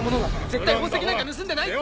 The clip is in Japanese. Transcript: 絶対宝石なんか盗んでないって。